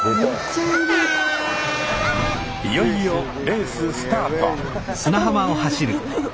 いよいよレーススタート！